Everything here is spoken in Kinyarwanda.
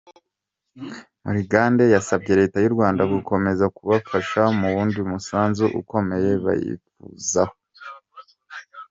Muligande yasabye leta y’u Rwanda gukomeza kubafasha mu wundi musanzu ukomeye bayifuzaho.